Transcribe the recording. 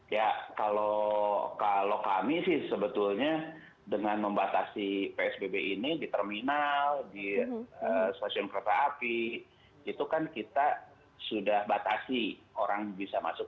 ya kalau kami sih sebetulnya dengan membatasi psbb ini di terminal di stasiun kereta api itu kan kita sudah batasi orang bisa masuk